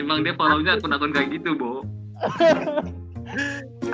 emang dia follow nya akun akun kayak gitu boh